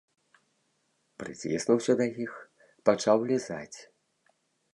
Прыціснуўся да іх, пачаў лізаць.